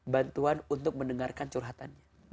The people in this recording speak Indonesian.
bantuan untuk mendengarkan curhatannya